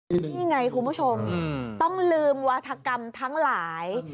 นี่ไงคุณผู้ชมต้องลืมวาธกรรมทั้งหลาย